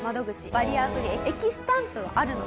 バリアフリー駅スタンプはあるのか。